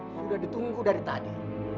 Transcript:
sudah ditunggu dari tadi